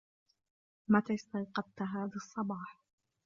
متى استيقظت هذا الصباح ؟